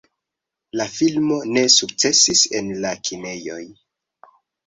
La filmo ne sukcesis en la kinejoj.